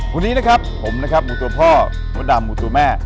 วันนี้นะครับผมนะครับหมูตัวพ่อมดดำหมูตัวแม่